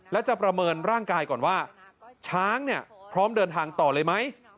และจะประเมินร่างกายก่อนว่าช้างเนี่ยพร้อมเดินทางต่อเลยไหม